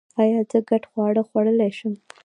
ایا زه ګډ خواړه خوړلی شم؟